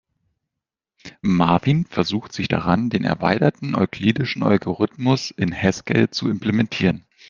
Marvin versucht sich daran, den erweiterten euklidischen Algorithmus in Haskell zu implementieren.